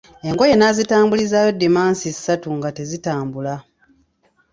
Engoye nazitambulizaayo dimansi ssatu nga tezitambula.